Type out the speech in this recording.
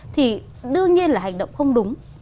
thì đương nhiên là hành động không đúng